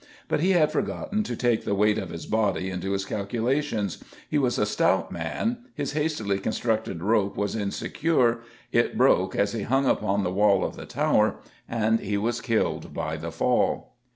But he had forgotten to take the weight of his body into his calculations; he was a stout man, his hastily constructed rope was insecure, it broke as he hung upon the wall of the Tower, and he was killed by the fall.